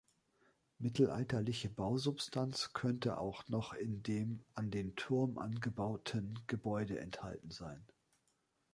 Mittelalterliche Bausubstanz könnte auch noch in dem an den Turm angebauten Gebäude enthalten sein.